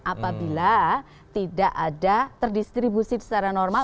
apabila tidak ada terdistribusi secara normal